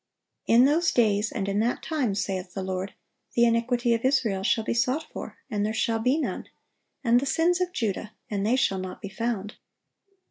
"In those days, and in that time, saith the Lord, the iniquity of Israel shall be sought for, and there shall be none; and the sins of Judah, and they shall not be found."